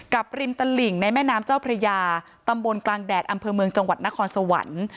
ริมตลิ่งในแม่น้ำเจ้าพระยาตำบลกลางแดดอำเภอเมืองจังหวัดนครสวรรค์